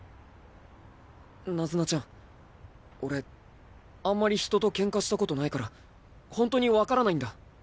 ナズナちゃん俺あんまり人とケンカしたことないからホントに分からないんだ。